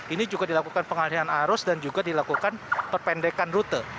ini juga dilakukan pengalihan arus dan juga dilakukan perpendekan rute